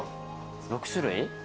６種類？